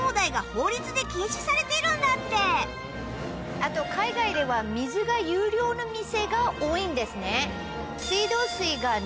あと海外では水が有料の店が多いんですね。